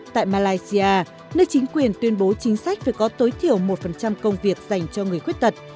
tại malaysia nơi chính quyền tuyên bố chính sách phải có tối thiểu một công việc dành cho người khuyết tật